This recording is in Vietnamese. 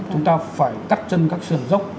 chúng ta phải cắt chân các sườn dốc